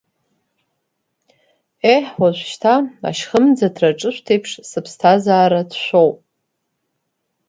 Еҳ, уажәшьҭа ашьхымӡаҭра аҿышәҭеиԥш, сыԥсҭазаара ҭшәоуп.